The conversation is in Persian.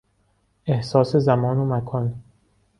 احساس زمان و مکان